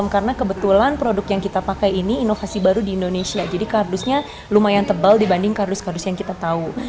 karena kebetulan produk yang kita pakai ini inovasi baru di indonesia jadi kardusnya lumayan tebal dibanding kardus kardus yang kita tahu